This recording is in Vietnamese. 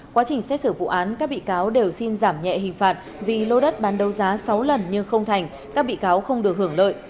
quá trình xét xử vụ án các bị cáo đều xin giảm nhẹ hình phạt vì lô đất bán đấu giá sáu lần nhưng không thành các bị cáo không được hưởng lợi